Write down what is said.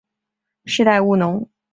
世代务农。